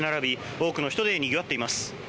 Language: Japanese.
多くの人でにぎわっています。